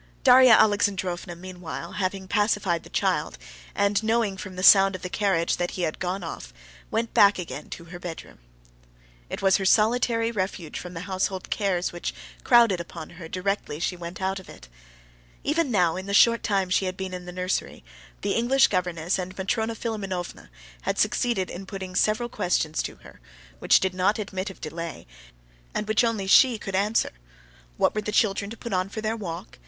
Darya Alexandrovna meanwhile having pacified the child, and knowing from the sound of the carriage that he had gone off, went back again to her bedroom. It was her solitary refuge from the household cares which crowded upon her directly she went out from it. Even now, in the short time she had been in the nursery, the English governess and Matrona Philimonovna had succeeded in putting several questions to her, which did not admit of delay, and which only she could answer: "What were the children to put on for their walk?